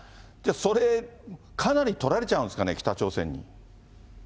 それ、かなりとられちゃうんですかね、北朝鮮に。